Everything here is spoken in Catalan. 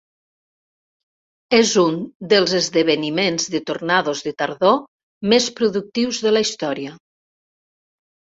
És un dels esdeveniments de tornados de tardor més productius de la història.